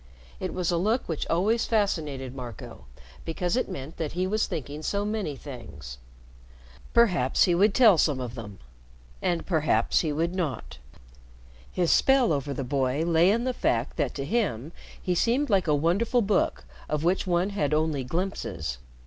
It was a look which always fascinated Marco because it meant that he was thinking so many things. Perhaps he would tell some of them and perhaps he would not. His spell over the boy lay in the fact that to him he seemed like a wonderful book of which one had only glimpses.